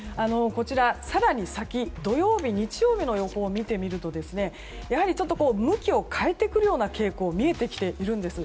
更に先、土曜日、日曜日の予報を見てみるとやはり向きを変えてくるような傾向が見えてきているんです。